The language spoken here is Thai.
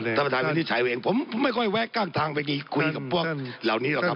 ท่านประธานวินิจฉัยไว้เองผมไม่ค่อยแวะกั้นทางไปคุยกับพวกเหล่านี้หรอกครับ